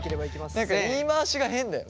何か言い回しが変だよ。